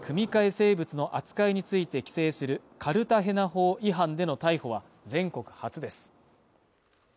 生物の扱いについて規制するカルタヘナ法違反での逮捕は全国初です。